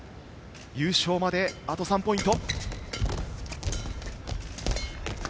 優勝まであと３ポイント。